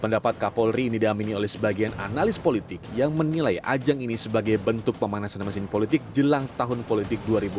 pendapat kapolri didamini oleh sebagian analis politik yang menilai ajang ini sebagai bentuk pemanasan mesin politik jelang tahun politik dua ribu delapan belas dan dua ribu sembilan belas